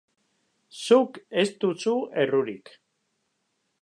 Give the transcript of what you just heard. Zuk ez duzu errurik.